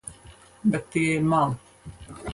Bet tie ir meli.